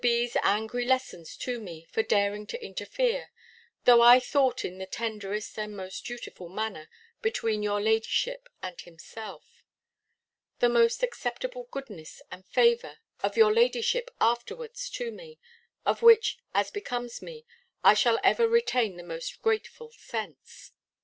B.'s angry lessons to me, for daring to interfere; though I thought in the tenderest and most dutiful manner, between your ladyship and himself. The most acceptable goodness and favour of your ladyship afterwards to me, of which, as becomes me, I shall ever retain the most grateful sense.